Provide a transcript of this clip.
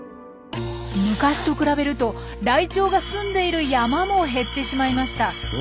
昔と比べるとライチョウがすんでいる山も減ってしまいました。